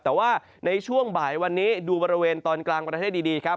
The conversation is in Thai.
แต่ว่าในช่วงบ่ายวันนี้ดูบริเวณตอนกลางประเทศดีครับ